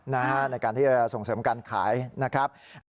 ในการที่จะส่งเสริมการขายนะครับ